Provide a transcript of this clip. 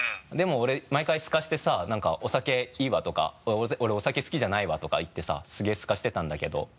でも俺毎回すかしてさ何か「お酒いいわ」とか「俺お酒好きじゃないわ」とか言ってさすげぇすかしてたんだけど。